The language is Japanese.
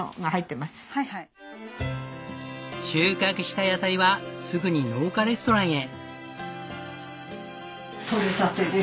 収穫した野菜はすぐに農家レストランへ。